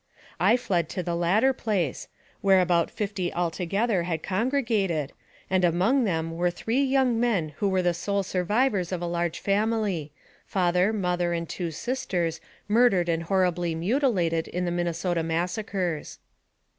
I fled to the latter place, where about fifty altogether had congregated, and among them were three young men who were the sole survivors of a large family father, mother, and two sisters murdered and horribly muti lated in the Minnesota massacres.